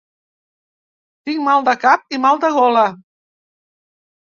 Tinc mal de cap i mal de gola.